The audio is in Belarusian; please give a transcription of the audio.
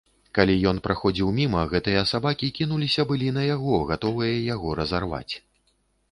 Калі ён праходзіў міма, гэтыя сабакі кінуліся былі на яго, гатовыя яго разарваць.